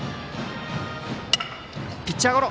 ピッチャーゴロ！